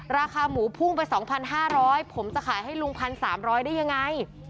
ราคาหมูพุ่งไป๒๕๐๐ผมจะขายให้ลุง๑๓๐๐ได้ยังไง